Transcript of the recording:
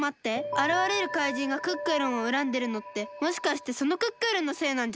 あらわれるかいじんがクックルンをうらんでるのってもしかしてそのクックルンのせいなんじゃない？